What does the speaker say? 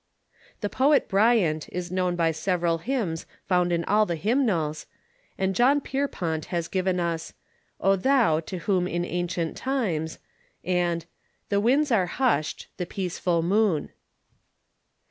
Tbe poet Bryant is known by several bymns found in all tbe hymnals, and John Pierpont has given us "O Thou, to whom in ancient times," and "The winds are hushed, the peaceful moon."